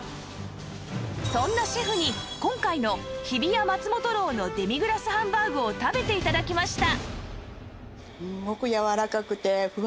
そんなシェフに今回の日比谷松本楼のデミグラスハンバーグを食べて頂きました